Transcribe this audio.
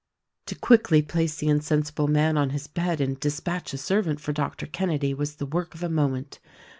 To quickly place the insensible man on his bed and dispatch a servant for Doctor Kenedy was the work of a moment.